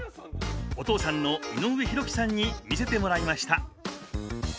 お父さんの井上裕規さんに見せてもらいました。